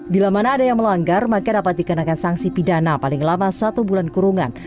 bila mana ada yang melanggar maka dapat dikenakan sanksi pidana paling lama satu bulan kurungan